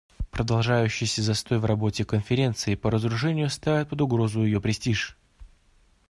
Продолжающийся застой в работе Конференции по разоружению ставит под угрозу ее престиж.